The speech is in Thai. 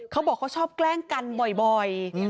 เขาบอกเขาชอบแกล้งกันบ่อย